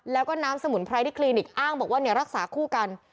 แล้วก็น้ำสมุนไพรที่คลินิกอ้างบอกว่ารักษาคู่กัน